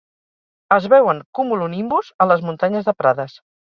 Es veuen cumulonimbus a les muntanyes de Prades.